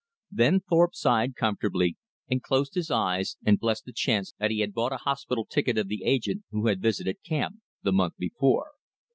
Then Thorpe sighed comfortably, and closed his eyes and blessed the chance that he had bought a hospital ticket of the agent who had visited camp the month before.